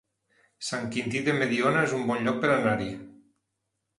Sant Quintí de Mediona es un bon lloc per anar-hi